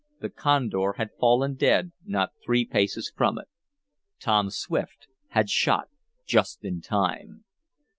The condor had fallen dead not three paces from it. Tom Swift had shot just in time.